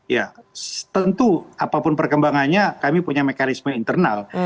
ya tentu apapun perkembangannya kami punya mekanisme internal